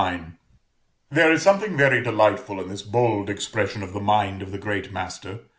There is something very delightful in this bold expression of the mind of the great master.